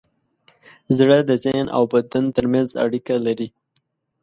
زړه د ذهن او بدن ترمنځ اړیکه لري.